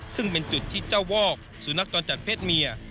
ซึ่งเป็นจุดที่เจ้าวอกสุนัขจรจัดเพศเมีย